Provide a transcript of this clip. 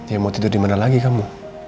ya mau tidur dimana lagi kamu